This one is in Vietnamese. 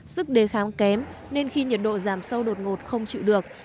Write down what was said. sức đề kháng kém nên khi nhiệt độ giảm sâu đột ngột không chịu được